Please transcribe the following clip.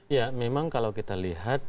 ya memang kalau kita lihat